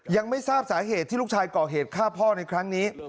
ยังไม่ทราบสาเหตุที่ลูกชายก่อเหตุฆ่าพ่อในครั้งนี้